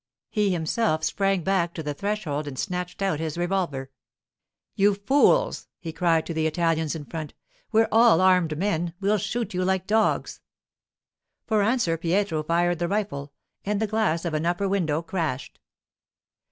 He himself sprang back to the threshold and snatched out his revolver. 'You fools!' he cried to the Italians in front. 'We're all armed men. We'll shoot you like dogs.' For answer Pietro fired the rifle, and the glass of an upper window crashed.